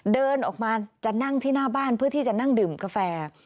เดินออกมาจะนั่งที่หน้าบ้านเพื่อที่จะนั่งดื่มกาแฟ